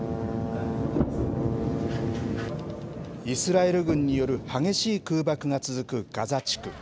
イスラエル軍による激しい空爆が続くガザ地区。